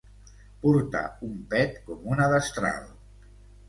Portar un pet com una destral.